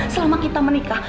selama kita menikah